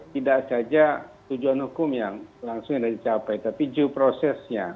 tidak saja tujuan hukum yang langsung yang dicapai tapi juprosesnya